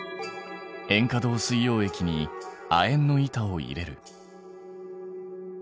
塩化銅水溶液に亜鉛の板を入れる。